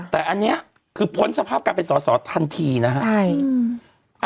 แต่อันนี้คือพ้นสภาพการเป็นสอสอทันทีนะฮะ